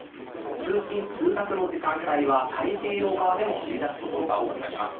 通勤・通学時間帯は太平洋側でも降り出すところが多くなります。